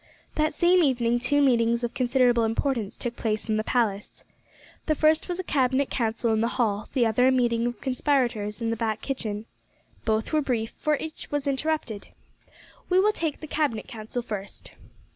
That same evening two meetings of considerable importance took place in the palace. The first was a cabinet council in the hall; the other a meeting of conspirators in the back kitchen. Both were brief, for each was interrupted. We will take the cabinet council first.